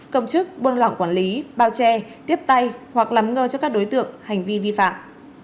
công chức buôn lỏng quản lý bao che tiếp tay hoặc lắng nghe cho các đối tượng hành vi vi phạm